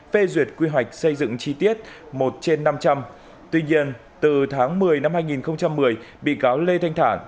phê duyệt quy hoạch xây dựng chi tiết một trên năm trăm linh tuy nhiên từ tháng một mươi năm hai nghìn một mươi bị cáo lê thanh thản